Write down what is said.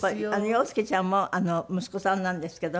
洋輔ちゃんも息子さんなんですけど。